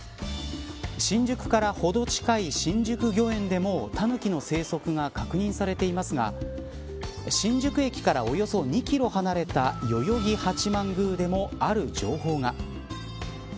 新宿からほど近い新宿御苑でもタヌキの生息が確認されていますが新宿駅からおよそ２キロ離れた代々木八幡宮でもある情報が。